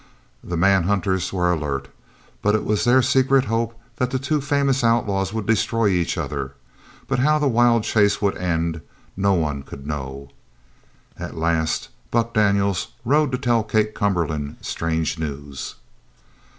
The man hunters were alert, but it was their secret hope that the two famous outlaws would destroy each other, but how the wild chase would end no one could know. At last Buck Daniels rode to tell Kate Cumberland strange news.